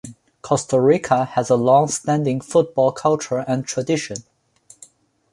Costa Rica has a long-standing football culture and tradition.